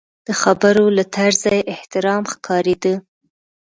د خبرو له طرزه یې احترام ښکارېده.